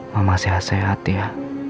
mama sehat sehat ya